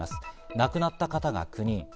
亡くなった方が９人。